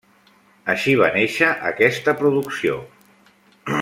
Així va néixer aquesta producció.